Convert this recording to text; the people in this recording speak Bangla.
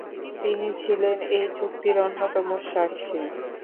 তিনি ছিলেন এই চুক্তির অন্যতম সাক্ষী।